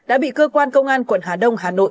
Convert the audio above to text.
đã bị cơ quan công an quận hà đông hà nội